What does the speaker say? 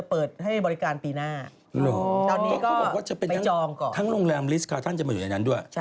เพราะเขาบอกว่าจะเป็นทั้งโรงแรมลิสคาท่านจะมาอยู่ในนั้นด้วย